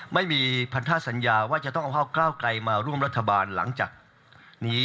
ไม่มีพันธาสัญญาว่าจะต้องเอาภาคเก้าไกลมาร่วมรัฐบาลหลังจากนี้